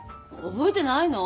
覚えてないの？